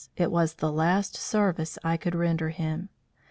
it was the last service I could render him.